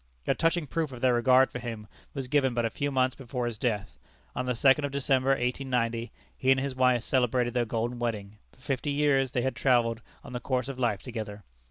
A touching proof of their regard for him was given but a few months before his death. On the 2d of December, 1890, he and his wife celebrated their golden wedding. For fifty years they had travelled on the course of life together.